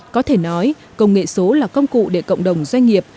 có thể nói công nghệ số là công cụ để cộng đồng doanh nghiệp